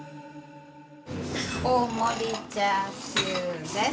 大盛りチャーシューです。